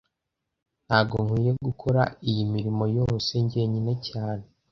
Ntago nkwiye gukora iyi mirimo yose njyenyine cyane